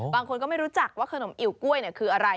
ก็ไม่รู้จักว่าขนมอิ๋วกล้วยคืออะไร